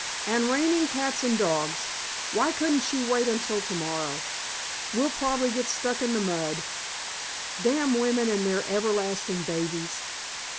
"And raining cats and dogs. Why couldn't she wait until tomorrow? We'll probably get stuck in the mud. Damn women and their everlasting babies."